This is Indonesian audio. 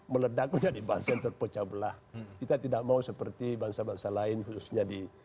meledak menjadi bangsa yang terpecah belah kita tidak mau seperti bangsa bangsa lain khususnya di